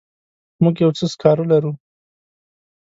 موږ یو څه سکاره لرو.